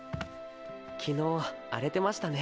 昨日荒れてましたね。